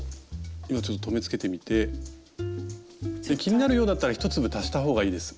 今ちょっと留めつけてみて気になるようだったら１粒足した方がいいです